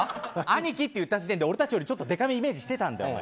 兄貴って言った時点で俺たちよりちょっとでかめイメージしてたんだよ。